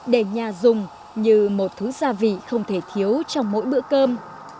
để nhà dùng như một thứ gia vị không thể thiếu trong mỗi bữa cơm